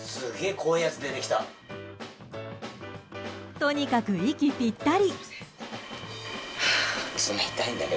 とにかく息ぴったり！